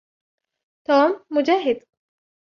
توم مجاهد.